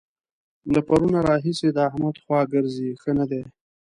له پرونه راهسې د احمد خوا ګرځي؛ ښه نه دی.